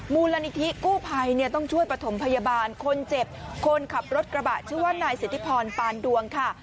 มูลนิธิกู้ภัยเนี่ยต้องช่วยประถมพยาบาลคนเจ็บคนขับรถกระบะชื่อว่านายสิทธิพรปานดวงค่ะ